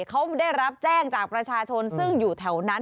เขาได้รับแจ้งจากประชาชนซึ่งอยู่แถวนั้น